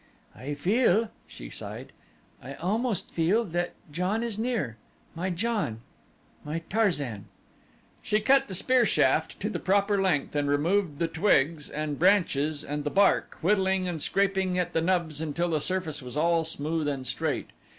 "I feel," she sighed, "I almost feel that John is near my John my Tarzan!" She cut the spear shaft to the proper length and removed the twigs and branches and the bark, whittling and scraping at the nubs until the surface was all smooth and straight.